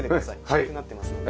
低くなってますんで。